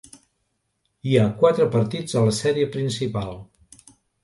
Hi ha quatre partits a la sèrie principal.